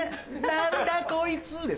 「何だこいつ」です。